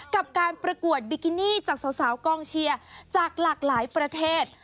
กับการประกวดบิกินี่จากสาวกองเชียร์จากหลากหลายประเทศ